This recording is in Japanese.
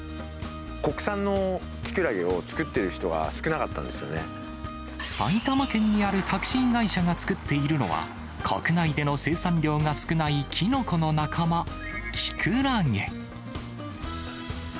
国産のきくらげを作っている埼玉県にあるタクシー会社が作っているのは、国内での生産量が少ないきのこの仲間、きくらげ。